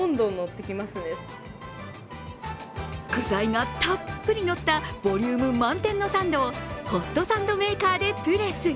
具材がたっぷり乗ったボリューム満点のサンドをホットサンドメーカーでプレス。